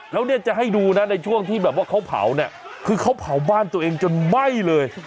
แล้วจะให้ดูในช่วงที่เขาเผาคือเขาเผาบ้านตัวเองจนไหม้เลย